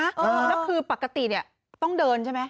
แล้วคือปกติเนี่ยต้องเดินใช่ไหม